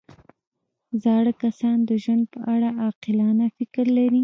زاړه کسان د ژوند په اړه عاقلانه فکر لري